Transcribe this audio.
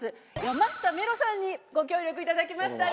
山下メロさんにご協力いただきました。